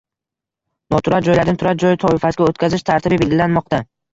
Noturar joylarni turar joy toifasiga o‘tkazish tartibi belgilanmoqda